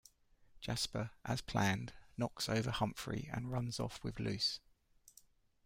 Jasper, as planned, knocks over Humphrey and runs off with Luce.